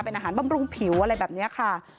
เป็นอาหารบำรุงผิวอะไรแบบนี้ค่ะ